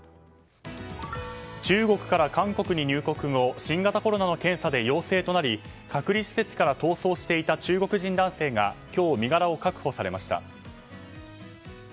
中国から韓国に入国後新型コロナの検査で陽性となり隔離施設から逃走していた中国人男性が今日身柄を確保されました。